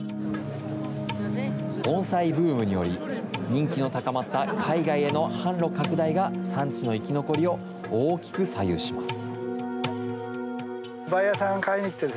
ＢＯＮＳＡＩブームにより、人気の高まった海外への販路拡大が、産地の生き残りを大きく左右します。